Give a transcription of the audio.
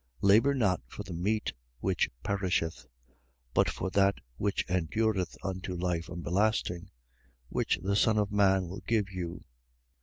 6:27. Labour not for the meat which perisheth, but for that which endureth unto life everlasting, which the Son of man will give you.